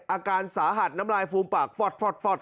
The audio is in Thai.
อาการสาหัสน้ำลายฟูมปากฟอด